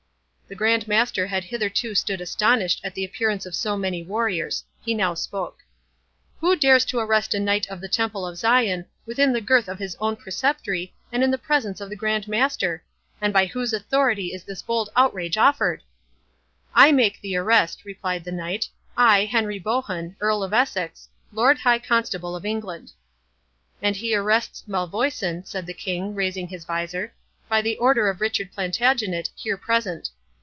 The Grand Master had hitherto stood astonished at the appearance of so many warriors.—He now spoke. "Who dares to arrest a Knight of the Temple of Zion, within the girth of his own Preceptory, and in the presence of the Grand Master? and by whose authority is this bold outrage offered?" "I make the arrest," replied the Knight—"I, Henry Bohun, Earl of Essex, Lord High Constable of England." "And he arrests Malvoisin," said the King, raising his visor, "by the order of Richard Plantagenet, here present.